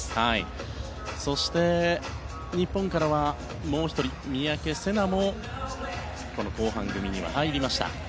そして日本からはもう１人三宅星南も後半組に入りました。